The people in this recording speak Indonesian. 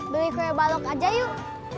beli kue balok aja yuk